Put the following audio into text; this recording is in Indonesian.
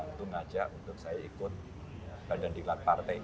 itu ngajak untuk saya ikut badan diklat partai